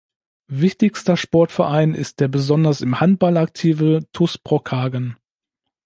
Wichtigster Sportverein ist der besonders im Handball aktive TuS Brockhagen.